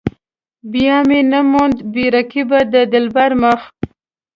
بیا مې نه موند بې رقيبه د دلبر مخ.